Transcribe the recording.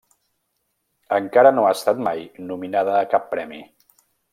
Encara no ha estat mai nominada a cap premi.